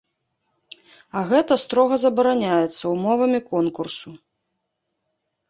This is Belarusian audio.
А гэта строга забараняецца ўмовамі конкурсу.